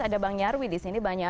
ada bang nyarwi disini